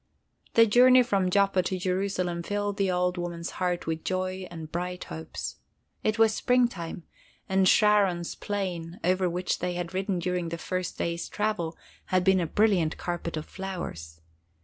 The journey from Joppa to Jerusalem filled the old woman's heart with joy and bright hopes. It was springtime, and Sharon's plain, over which they had ridden during the first day's travel, had been a brilliant carpet of flowers.